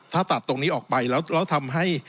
ถ้าตัดตรงนี้ออกไปแล้วทำให้